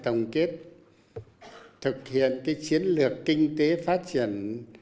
tổng kết thực hiện cái chiến lược kinh tế phát triển